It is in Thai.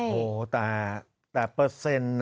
โอ้โหแต่เปอร์เซ็นต์นะ